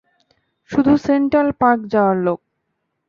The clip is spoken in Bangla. শুধু সেন্ট্রাল পার্ক যাওয়ার লোক।